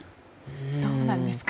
どうなんですか？